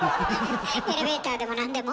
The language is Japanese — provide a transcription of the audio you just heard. エレベーターでも何でも？